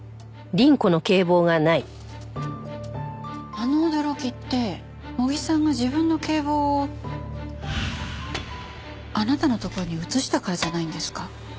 あの驚きって茂木さんが自分の警棒をあなたのところに移したからじゃないんですか？